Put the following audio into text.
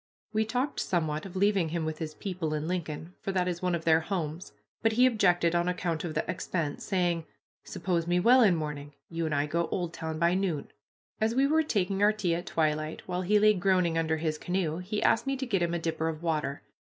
We talked somewhat of leaving him with his people in Lincoln, for that is one of their homes, but he objected on account of the expense, saying, "Suppose me well in morning, you and I go Oldtown by noon." As we were taking our tea at twilight, while he lay groaning under his canoe, he asked me to get him a dipper of water.